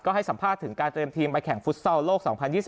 ให้สัมภาษณ์ถึงการเตรียมทีมไปแข่งฟุตซอลโลก๒๐๒๐